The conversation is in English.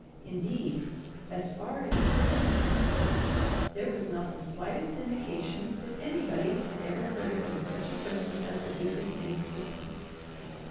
Indeed, as far as the widow could discover, there was not the slightest indication that anybody had ever heard there was such a person as the deacon in existence.